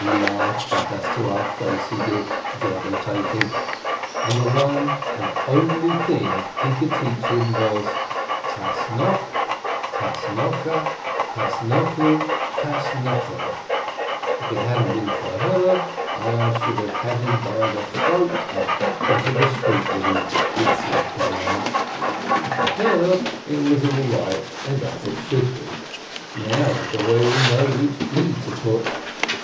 Laughed at us to our face, he did, devil take him, and the one and only thing he could teach him was: tshasnok, tshasnoka, tshasnoku, tshasnokom. If it hadn't been for her, I should have had him by the throat, and out into the street with his blessed grammar. But to her it was all right and as it should be. Now the boy will know which e to put.